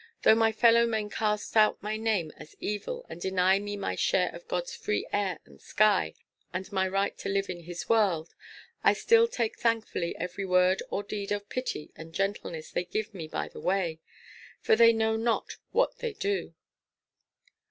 Though my fellow men cast out my name as evil, and deny me my share of God's free air and sky, and my right to live in his world, I still take thankfully every word or deed of pity and gentleness they give me by the way. For they know not what they do."